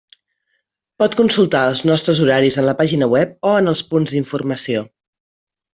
Pot consultar els nostres horaris en la pàgina web o en els punts d'informació.